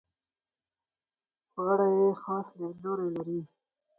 په اړه یې خاص لیدلوری لري.